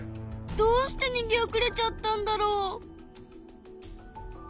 どうしてにげおくれちゃったんだろう？